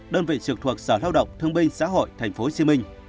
đơn vị trực thuộc sở lao động thương binh xã hội tp hcm